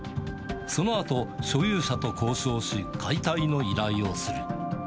そのあと、所有者と交渉し、解体の依頼をする。